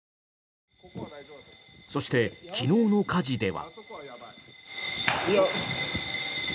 そして、昨日の火事では。